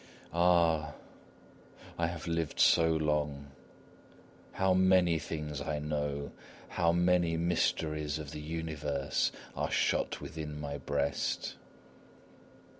Ah! I have lived so long! How many things I know! How many mysteries of the universe are shut within my breast!